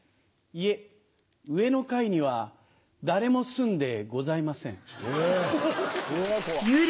いえ上の階には誰も住んでございません。